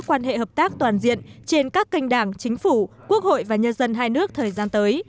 quan hệ hợp tác toàn diện trên các kênh đảng chính phủ quốc hội và nhân dân hai nước thời gian tới